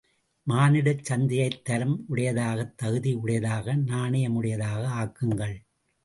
மானிடச் சந்தையைத் தரம் உடையதாக தகுதி உடையதாக நாணயம் உடையதாக ஆக்குங்கள்.